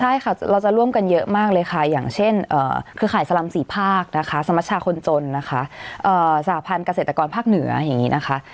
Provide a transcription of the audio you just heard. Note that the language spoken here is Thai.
ใช่ค่ะเราจะร่วมกันเยอะมากเลยค่ะอย่างเช่นเครือข่ายสลำ๔ภาคนะคะสมชาคนจนนะคะสหพันธ์เกษตรกรภาคเหนืออย่างนี้นะคะ